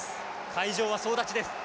会場は総立ちです。